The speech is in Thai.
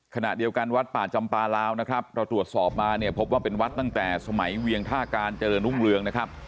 ขณะเดียวกันวัดป่าจำปลาลาวนะครับเราตรวจสอบมาเนี่ยพบว่าเป็นวัดตั้งแต่สมัยเวียงท่าการเจริญรุ่งเรืองนะครับ